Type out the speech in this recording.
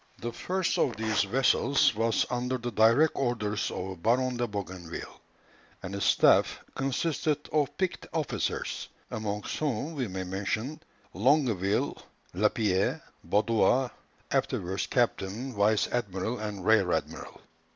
The first of these vessels was under the direct orders of Baron de Bougainville, and his staff consisted of picked officers, amongst whom we may mention Longueville, Lapierre, and Baudin, afterwards captain, vice admiral, and rear admiral.